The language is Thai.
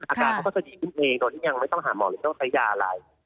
อาการเขาก็จะดีขึ้นเองโดยที่ยังไม่ต้องหาหมอหรือต้องใช้ยาอะไร